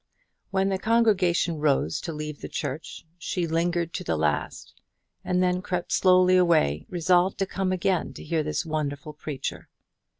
When the congregation rose to leave the church, she lingered to the last, and then crept slowly away, resolved to come again to hear this wonderful preacher.